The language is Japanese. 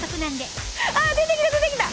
あ出てきた出てきた！